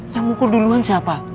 yang mukul duluan siapa